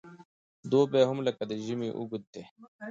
دوبی هم لکه ژمی اوږد دی .